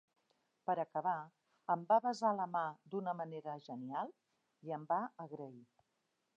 Per acabar, em va besar la mà d'una manera genial i em va agrair.